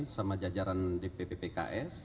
sama jajaran dpp pks